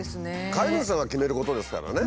飼い主さんが決めることですからね。